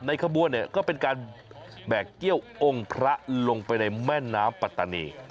ขบวนเนี่ยก็เป็นการแบกเกี้ยวองค์พระลงไปในแม่น้ำปัตตานี